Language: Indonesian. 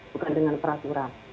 bukan dengan peraturan